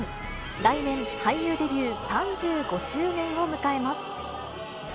来年、俳優デビュー３５周年を迎えます。